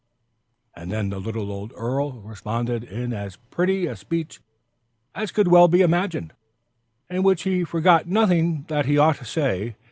And then the little old earl responded in as pretty a speech as could well be imagined, in which he forgot nothing that he ought to say.